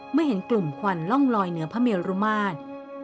เมื่อเห็นกลุ่มควันล่องลอยเหนือพระเมรุมาตร